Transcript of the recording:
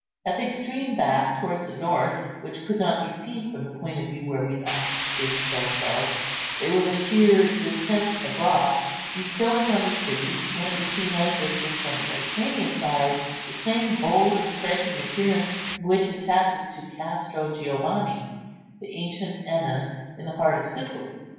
At the extreme back, towards the north, which could not be seen from the point of view where we last stationed ourselves, there was a sheer descent of rock, bestowing on the city, when it was seen at a distance on the Mediterranean side, the same bold and striking appearance which attaches to Castro Giovanni, the ancient Enna, in the heart of Sicily.